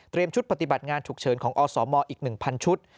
ชุดปฏิบัติงานฉุกเฉินของอสมอีก๑๐๐ชุด